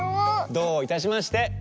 どういたしまして。